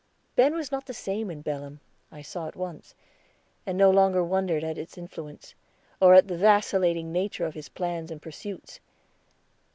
Ben was not the same in Belem, I saw at once, and no longer wondered at its influence, or at the vacillating nature of his plans and pursuits.